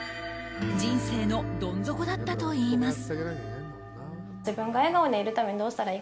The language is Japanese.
人生のどん底だったといいます。